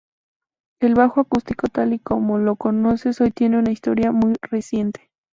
El bajo acústico tal y como lo conocemos hoy tiene una historia muy reciente.